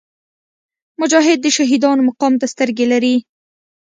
مجاهد د شهیدانو مقام ته سترګې لري.